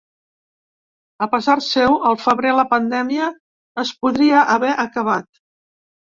A parer seu, al febrer la pandèmia es podria haver acabat.